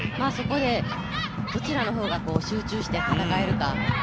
そこでどちらの方が集中して戦えるか。